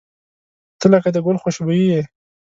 • ته لکه د ګل خوشبويي یې.